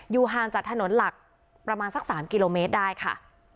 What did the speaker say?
ห่างจากถนนหลักประมาณสัก๓กิโลเมตรได้ค่ะ